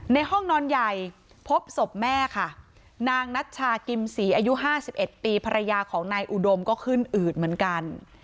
ในห้องนอนใหญ่พบศพแม่ค่ะนางนัชชากิมศรีอายุ๕๑ปีภรรยาของนายอุดมก็ขึ้นอืดเหมือนกัน